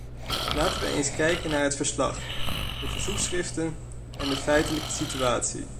Laten wij eens kijken naar het verslag, de verzoekschriften en de feitelijke situatie.